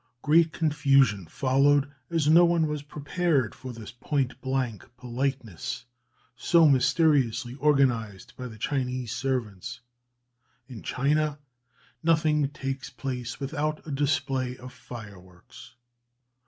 Great confusion followed, as no one was prepared for this point blank politeness, so mysteriously organized by the Chinese servants. In China nothing takes place without a display of fireworks.